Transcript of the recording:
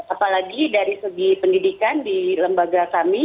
apalagi dari segi pendidikan di lembaga kami